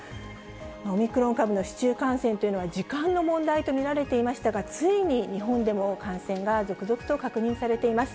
オミクロン株の市中感染というのは時間の問題と見られていましたが、ついに日本でも感染が続々と確認されています。